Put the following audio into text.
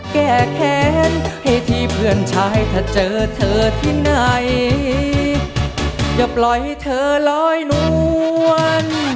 แก้แค้นให้ที่เพื่อนชายถ้าเจอเธอที่ไหนอย่าปล่อยให้เธอลอยนวล